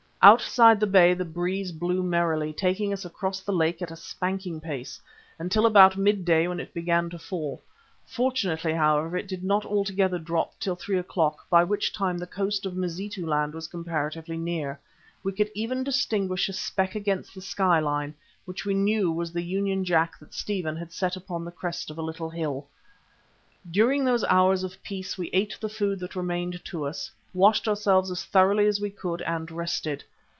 Outside the bay the breeze blew merrily, taking us across the lake at a spanking pace, until about midday when it began to fall. Fortunately, however, it did not altogether drop till three o'clock by which time the coast of Mazitu land was comparatively near; we could even distinguish a speck against the skyline which we knew was the Union Jack that Stephen had set upon the crest of a little hill. During those hours of peace we ate the food that remained to us, washed ourselves as thoroughly as we could and rested.